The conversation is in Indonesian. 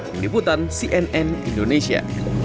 peniputan cnn indonesia